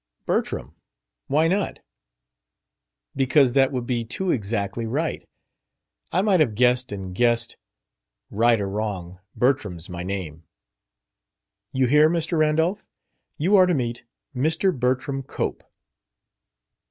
"Bertram. Why not?" "Because that would be too exactly right. I might have guessed and guessed !" "Right or wrong, Bertram's my name." "You hear, Mr. Randolph? You are to meet Mr. Bertram Cope."